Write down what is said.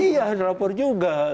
iya harus lapor juga